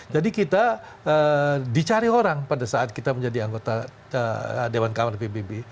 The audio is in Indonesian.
jadi kita dicari orang pada saat kita menjadi anggota dewan kaman pbb